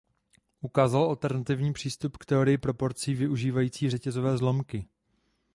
Ukázal alternativní přístup k teorii proporcí využívající řetězové zlomky.